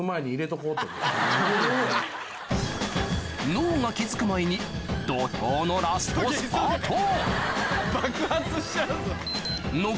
脳が気付く前に怒濤のラストスパート！爆発しちゃうぞ。